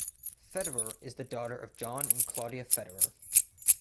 Federer is the daughter of John and Claudia Federer.